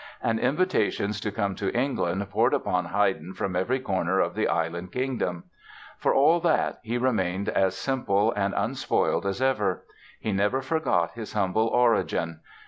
And invitations to come to England poured upon Haydn from every corner of the Island Kingdom. For all that, he remained as simple and unspoiled as ever. He never forgot his humble origin.